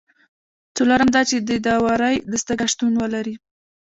څلورم دا چې د داورۍ دستگاه شتون ولري.